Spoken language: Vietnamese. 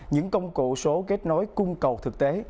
những công cụ số kết nối cung cầu thực tế